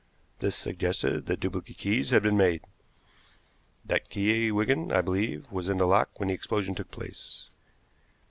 This suggested that duplicate keys had been made. That key, Wigan, I believe, was in the lock when the explosion took place.